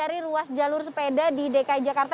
dari ruas jalur sepeda di dki jakarta